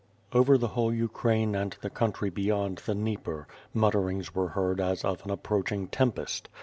Over the whole Ukraine and the country beyond the Dneiper, miitterings were heard as of an approaching tempest.